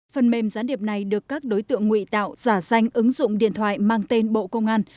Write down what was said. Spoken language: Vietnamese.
phần mềm gián điệp này được các đối tượng nguy tạo giả danh ứng dụng điện thoại mang tên bộ công an